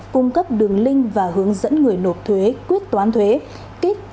cung cấp đường link và hướng dẫn người nộp thuế quyết toán thuế